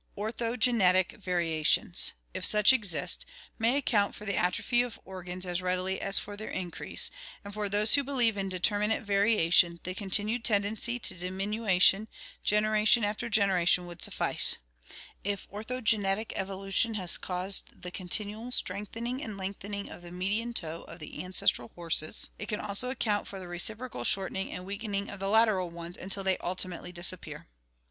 Orthogenetic variations, if such exist, may account for the atrophy of organs as readily as for their increase, and for those who believe in determinate variation, the continued tendency to diminu tion, generation after generation, would suffice. If orthogenetic evolution has caused the continual strengthening and lengthening of the median toe of the ancestral horses, it can also account for the reciprocal shortening and weakening of the lateral ones until they ultimately disappear.